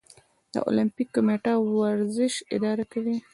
د المپیک کمیټه ورزش اداره کوي